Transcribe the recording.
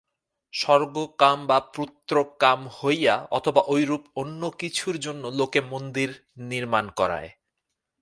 স্বর্গকাম বা পু্ত্রকাম হইয়া অথবা ঐরূপ অন্য কিছুর জন্য লোকে মন্দির নির্মাণ করায়।